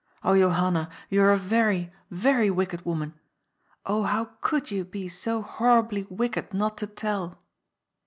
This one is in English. Oh Johanna, you are a very, very wicked woman ! Oh, how could you be so horribly wicked not to tell